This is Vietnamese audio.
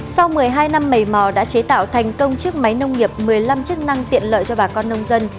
sau một mươi hai năm mầy mò đã chế tạo thành công chiếc máy nông nghiệp một mươi năm chức năng tiện lợi cho bà con nông dân